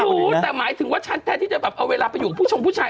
รู้แต่หมายถึงว่าฉันแทนที่จะแบบเอาเวลาไปอยู่กับผู้ชงผู้ชาย